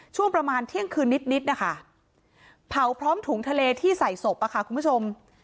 ช่วงประมาณเที่ยงคืนนิดนะคะเผาพร้อมถุงทะเลที่ใส่ศพอะค่ะคุณผู้ชม